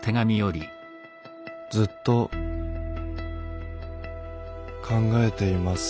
「ずっと考えています」。